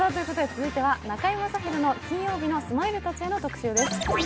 続いては「中居正広の金曜のスマたちへ」の特集です。